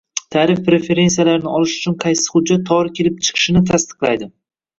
Tarif preferentsiyalarini olish uchun qaysi hujjat tovar kelib chiqishini tasdiqlaydi?